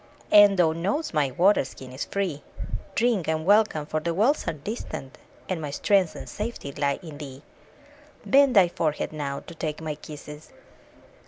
And thou know'st my water skin is free: Drink and welcome, for the wells are distant, And my strength and safety lie in thee. Bend thy forehead now, to take my kisses!